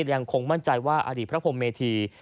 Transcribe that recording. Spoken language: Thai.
ยังคงมั่นใจว่าอดีตพระพรมเมธี